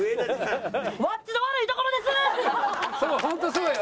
ホントそうよ。